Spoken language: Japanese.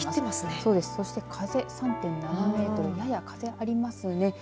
そして風、３．７メートルやや風がありますね。